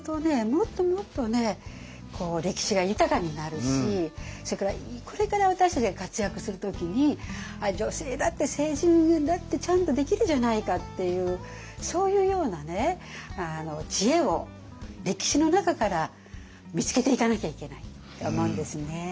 もっともっとね歴史が豊かになるしそれからこれから私たちが活躍する時に女性だって政治だってちゃんとできるじゃないかっていうそういうような知恵を歴史の中から見つけていかなきゃいけないと思うんですね。